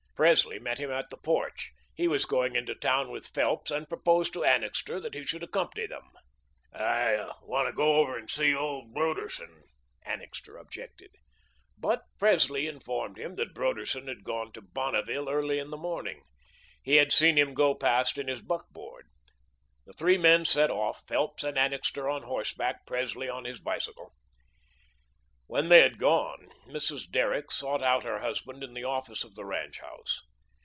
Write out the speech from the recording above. Presley met him at the porch. He was going into town with Phelps, and proposed to Annixter that he should accompany them. "I want to go over and see old Broderson," Annixter objected. But Presley informed him that Broderson had gone to Bonneville earlier in the morning. He had seen him go past in his buckboard. The three men set off, Phelps and Annixter on horseback, Presley on his bicycle. When they had gone, Mrs. Derrick sought out her husband in the office of the ranch house.